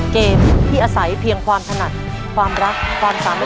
เกมที่อาศัยเพียงความถนัดความรักความสามารถ